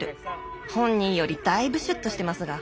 本人よりだいぶシュッとしてますが。